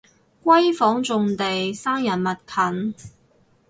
閨房重地生人勿近